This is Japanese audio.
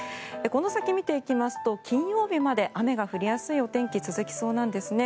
この先見ていきますと金曜日まで雨が降りやすいお天気が続きそうなんですね。